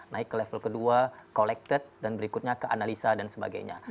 naik ke level kedua collected dan berikutnya ke analisa dan sebagainya